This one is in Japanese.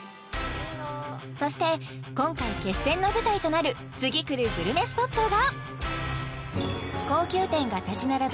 そして今回決戦の舞台となる次くるグルメスポットが高級店が立ち並ぶ